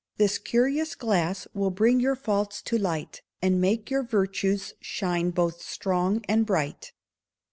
_ This curious glass will bring your faults to light, And make your virtues shine both strong and bright.